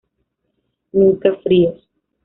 Nunca fríos.